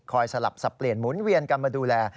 สลับสับเปลี่ยนหมุนเวียนกันมาดูแล